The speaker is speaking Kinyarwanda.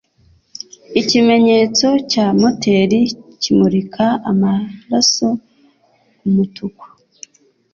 ikimenyetso cya motel kimurika amaraso-umutuku